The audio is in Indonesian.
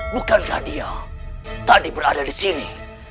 bukankah dia tadi berada di sini